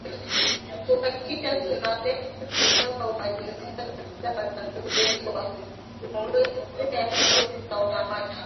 kuhakikisha tuna leta usawa wa jinsia kwenye matangazo yetu kwa kuongeza sauti za wanawake